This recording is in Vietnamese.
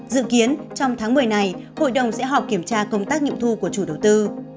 dự kiến trong tháng một mươi này hội đồng sẽ họp kiểm tra công tác nghiệm thu của chủ đầu tư